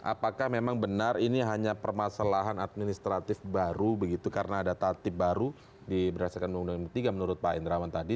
apakah memang benar ini hanya permasalahan administratif baru begitu karena ada tatip baru berdasarkan undang undang md tiga menurut pak indrawan tadi